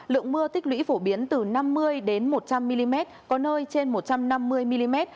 lượng mưa tích lũy phổ biến từ năm mươi một trăm linh mm có nơi trên một trăm năm mươi mm